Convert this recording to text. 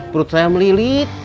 perut saya melilit